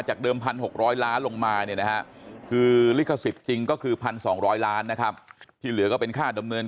เดิม๑๖๐๐ล้านลงมาเนี่ยนะฮะคือลิขสิทธิ์จริงก็คือ๑๒๐๐ล้านนะครับที่เหลือก็เป็นค่าดำเนิน